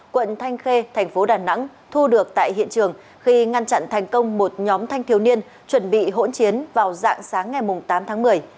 quận thanh khê thành phố đà nẵng thu được tại hiện trường khi ngăn chặn thành công một nhóm thanh thiếu niên chuẩn bị hỗn chiến vào dạng sáng ngày tám tháng một mươi